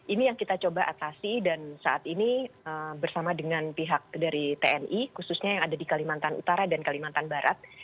ini yang kita coba atasi dan saat ini bersama dengan pihak dari tni khususnya yang ada di kalimantan utara dan kalimantan barat